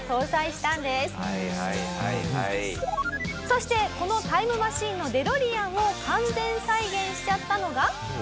そしてこのタイムマシンのデロリアンを完全再現しちゃったのが。